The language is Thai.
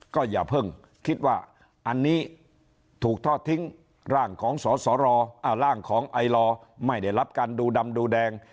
ก็อย่าเพิ่งคิดว่าอันนี้ถูกทอดทิ้งร่างของสสรร่างของไอลอไม่ได้รับการดูดำดูแดง